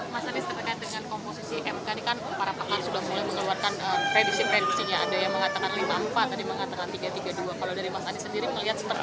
mas anies terkait dengan komposisi m